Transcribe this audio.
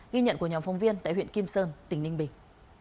ghi nhận của nhóm phóng viên tại huyện kim sơn tỉnh ninh bình